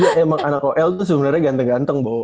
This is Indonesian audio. iya emang anak oel tuh sebenarnya ganteng ganteng bu